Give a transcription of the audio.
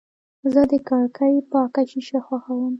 زه د کړکۍ پاکه شیشه خوښوم.